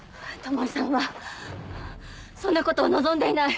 巴さんはそんなことを望んでいない。